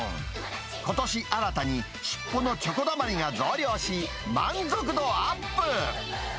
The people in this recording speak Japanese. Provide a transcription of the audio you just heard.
ことし新たに尻尾のチョコだまりが増量し、満足度アップ。